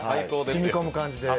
しみ込む感じで。